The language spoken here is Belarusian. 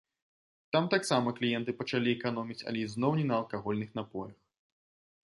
Там таксама кліенты пачалі эканоміць, але ізноў не на алкагольных напоях.